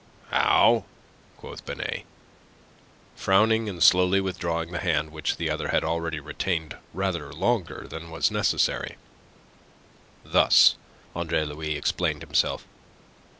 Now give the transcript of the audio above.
"How?" quoth Binet, frowning, and slowly withdrawing the hand which the other had already retained rather longer than was necessary. "Thus," Andre Louis explained himself.